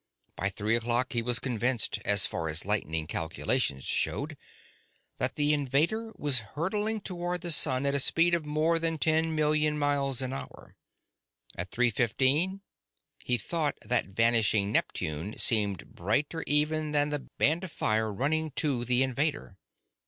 By three o'clock, he was convinced, as far as lightning calculations showed, that the invader was hurtling toward the sun at a speed of more than ten million miles an hour. At three fifteen, he thought that vanishing Neptune seemed brighter even than the band of fire running to the invader.